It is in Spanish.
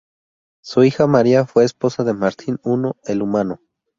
Su hija María fue esposa de Martín I el Humano.